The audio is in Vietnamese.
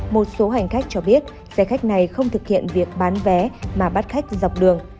một số hành khách cho biết xe khách này không thực hiện việc bán vé mà bắt khách dọc đường